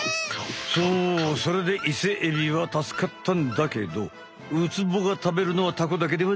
そうそれでイセエビは助かったんだけどウツボが食べるのはタコだけではない。